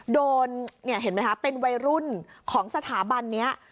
โดนเนี่ยเห็นไหมคะเป็นวัยรุ่นของสถาบันนี้